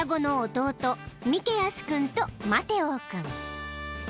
ミケアス君とマテオ君］